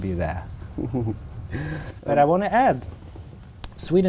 vì vậy chúng ta phải